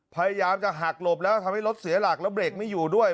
พยายามจะหักหลบแล้วทำให้รถเสียหลักแล้วเบรกไม่อยู่ด้วย